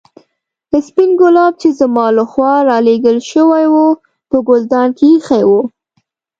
سپين ګلاب چې زما له خوا رالېږل شوي وو په ګلدان کې ایښي وو.